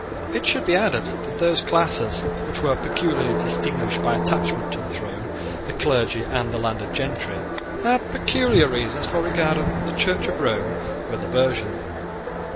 It should be added that those classes which were peculiarly distinguished by attachment to the throne, the clergy and the landed gentry, had peculiar reasons for regarding the Church of Rome with aversion.